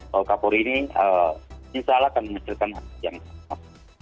kalau kapolri ini misalnya akan mengecilkan hal yang sama